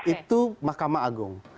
itu mahkamah agung